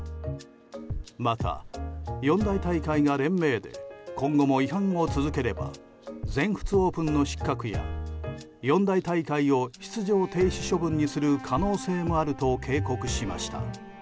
また、四大大会は連名で今後も違反を続ければ全仏オープンの失格や四大大会を出場停止処分にする可能性もあると警告しました。